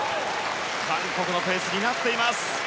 韓国のペースになっています。